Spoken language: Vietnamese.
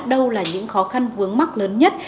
đâu là những khó khăn vướng mắc lớn nhất